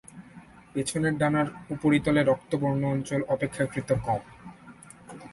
পিছনের ডানার উপরিতলে রক্তবর্ণ অঞ্চল অপেক্ষাকৃত কম।